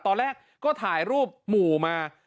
ตอนแรกก็ถ่ายรูปหมู่มา